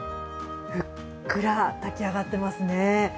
ふっくら炊き上がってますね。